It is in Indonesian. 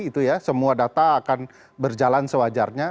itu ya semua data akan berjalan sewajarnya